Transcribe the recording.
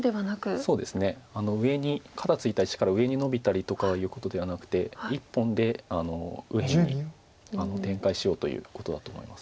そうですね上に肩ツイた石から上にノビたりとかいうことではなくて１本で右辺に展開しようということだと思います。